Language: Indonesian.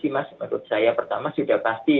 mas menurut saya pertama sudah pasti